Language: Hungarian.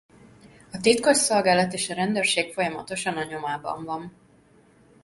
A titkosszolgálat és a rendőrség folyamatosan a nyomában van.